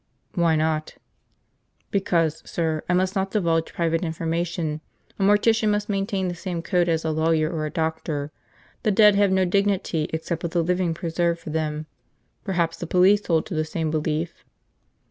"Why not?" "Because, sir, I must not divulge private information. A mortician must maintain the same code as a lawyer or a doctor. The dead have no dignity except what the living preserve for them. Perhaps the police hold to the same belief?"